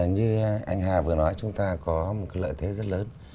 như anh hà vừa nói chúng ta có một lợi thế rất lớn